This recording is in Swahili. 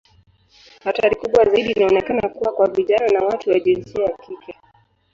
Hatari kubwa zaidi inaonekana kuwa kwa vijana na watu wa jinsia ya kike.